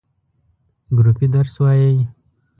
ګروپی درس وایی؟